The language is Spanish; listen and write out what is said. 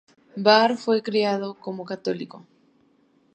Barr fue criado como católico.